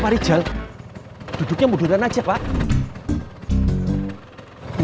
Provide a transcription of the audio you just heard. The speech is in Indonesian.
pak rijal duduknya munduran aja pak